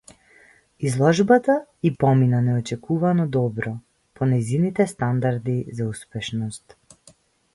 Изложбата ѝ помина неочекувано добро, по нејзините стандарди за успешност.